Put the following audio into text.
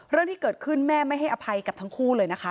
เรื่องที่เกิดขึ้นแม่ไม่ให้อภัยกับทั้งคู่เลยนะคะ